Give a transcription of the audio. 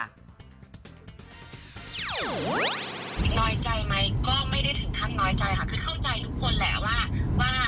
ตรงนี้ที่ข่าวออกก็คือว่า